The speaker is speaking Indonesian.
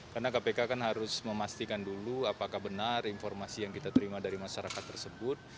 karena kpk kan harus memastikan dulu apakah benar informasi yang kita terima dari masyarakat tersebut